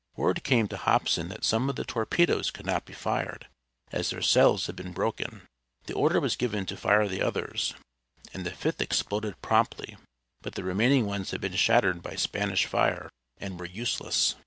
Word came to Hobson that some of the torpedoes could not be fired, as their cells had been broken. The order was given to fire the others, and the fifth exploded promptly, but the remaining ones had been shattered by Spanish fire and were useless.